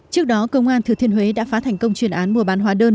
trước đó công an thừa thiên huế đã phá thành công chuyên án mua bán hóa đơn